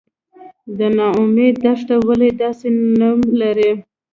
د نا امید دښته ولې داسې نوم لري؟